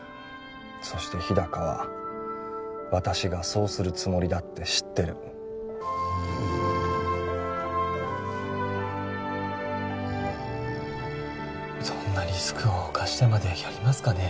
そして日高は私がそうするつもりだって知ってるそんなリスクを冒してまでやりますかね？